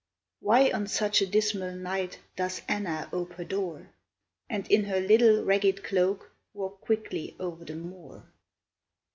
Why on such a dismal night Does Anna ope her door, And in her little ragged cloak, Walk quickly o'er the moor?